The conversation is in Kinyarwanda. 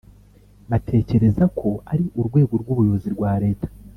batekereza ko ari urwego rw’ubuyobozi rwa Leta